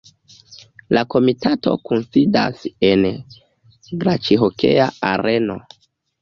La komitato kunsidas en glacihokea areno.